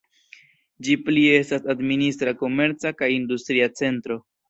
Ĝi plie estas administra, komerca kaj industria centro.